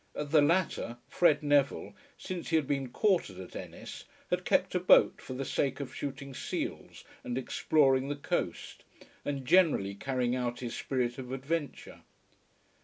At the latter, Fred Neville, since he had been quartered at Ennis, had kept a boat for the sake of shooting seals and exploring the coast, and generally carrying out his spirit of adventure.